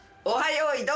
よいどん」